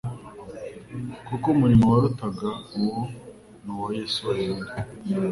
kuko umurimo warutaga uwo ni uwa Yesu wenyine.